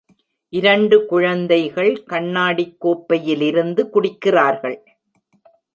இரண்டு குழந்தைகள் கண்ணாடிக் கோப்பையிலிருந்து குடிக்கிறார்கள்.